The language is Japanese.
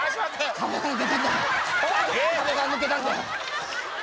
壁が抜けたんだよ。